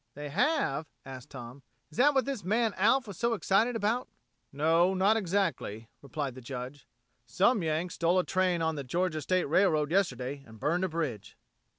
"They have?" asked Tom. "Is that what this man Alf was so excited about!" "No not exactly," replied the Judge. "Some Yanks stole a train on the Georgia State Railroad yesterday and burned a bridge."